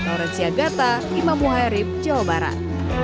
norensia gata imam muhaerib jawa barat